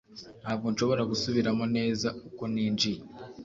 Ntabwo nshobora gusubiramo neza uko ninjiye